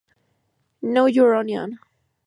Know Your Onion!